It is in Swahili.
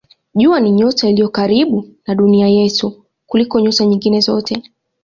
Jua ni nyota iliyo karibu na Dunia yetu kuliko nyota nyingine zote.